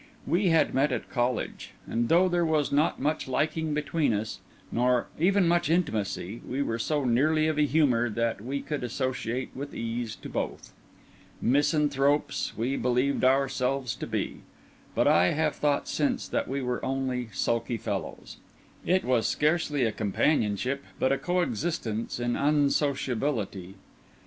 We had met at college; and though there was not much liking between us, nor even much intimacy, we were so nearly of a humour that we could associate with ease to both. Misanthropes, we believed ourselves to be; but I have thought since that we were only sulky fellows. It was scarcely a companionship, but a coexistence in unsociability.